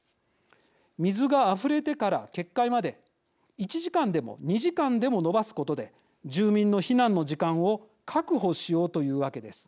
水があふれてから決壊まで１時間でも２時間でも延ばすことで住民の避難の時間を確保しようというわけです。